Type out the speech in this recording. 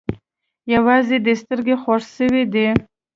يوازې دې سترگه خوږ سوې ده.